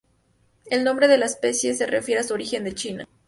El nombre de la especie se refiere a su origen de China.